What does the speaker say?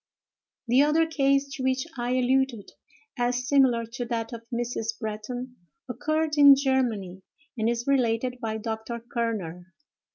The other case to which I alluded, as similar to that of Mrs. Bretton, occurred in Germany, and is related by Dr. Kerner.